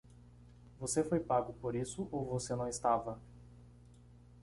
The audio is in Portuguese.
Você foi pago por isso ou você não estava?